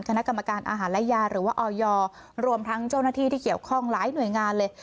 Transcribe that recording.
คณะกรรมการอาหารและยาหรือว่าออยรวมทั้งเจ้าหน้าที่ที่เกี่ยวข้องหลายหน่วยงานเลย